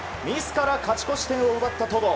勝ち越し点を奪った戸郷。